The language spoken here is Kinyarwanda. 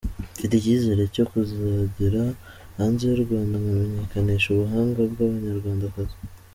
Mfite icyizere cyo kuzagera hanze y’u Rwanda nkamenyekanisha ubuhanga bw’Abanyarwandakazi”.